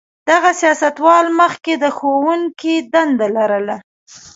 دغه سیاستوال مخکې د ښوونکي دنده لرله.